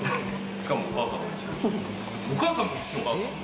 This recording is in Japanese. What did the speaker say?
しかもお母さんも一緒に。